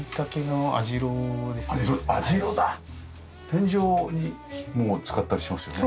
天井にも使ったりしますよね。